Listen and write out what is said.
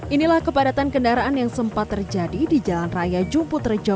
inilah kepadatan kendaraan yang sempat terjadi di jalan raya jumput rejo